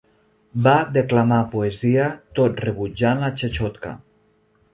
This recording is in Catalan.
Va declamar poesia, tot rebutjant la chechotka.